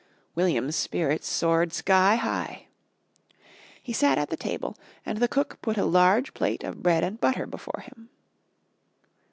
William's spirits soared sky high. He sat at the table and the cook put a large plate of bread and butter before him.